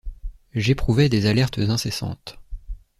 J’éprouvais des alertes incessantes.